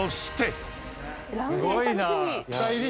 すごいな！